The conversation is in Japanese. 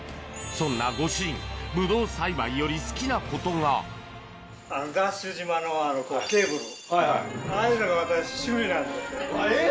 そんなご主人ぶどう栽培より好きなことがえっ！